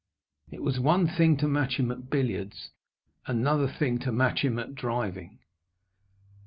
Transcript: It was one thing to match him at billiards, another thing to match him at driving.